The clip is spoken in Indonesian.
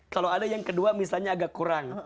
kalau ada yang kedua misalnya agak kurang